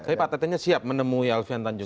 tapi pak tetennya siap menemui alfian tanjung